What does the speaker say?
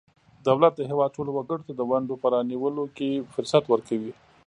دولت د هیواد ټولو وګړو ته د ونډو په رانیولو کې فرصت ورکوي.